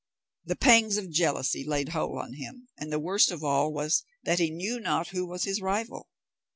The pangs of jealousy laid hold on him, and the worst of all was, that he knew not who was his rival.